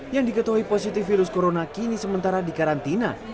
yang diketahui positif virus corona kini sementara di karantina